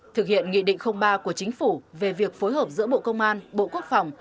thực hiện nghị định ba của chính phủ về việc phối hợp giữa bộ công an bộ quốc phòng